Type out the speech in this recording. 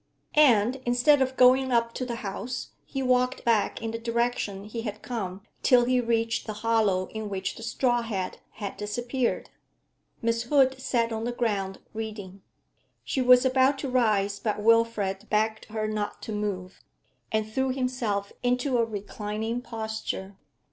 And, instead of going up to the house, he walked back in the direction he had come till he reached the hollow in which the straw hat had disappeared. Miss Hood sat on the ground, reading. She was about to rise, but Wilfrid begged her not to move, and threw himself into a reclining posture.